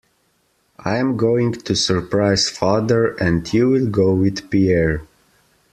I am going to surprise father, and you will go with Pierre.